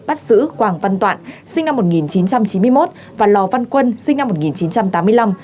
bắt xử quảng văn toạn sinh năm một nghìn chín trăm chín mươi một và lò văn quân sinh năm một nghìn chín trăm tám mươi năm